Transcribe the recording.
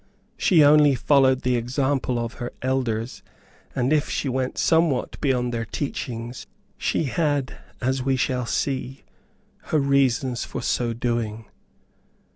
She only followed the example of her elders, and if she went somewhat beyond their teachings, she had, as we shall see, her reasons for so doing.